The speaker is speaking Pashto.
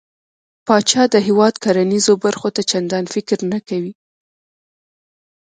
پاچا د هيواد کرنېزو برخو ته چنديان فکر نه کوي .